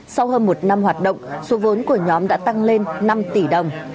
sau hơn một năm hoạt động số vốn của nhóm đã tăng lên năm tỷ đồng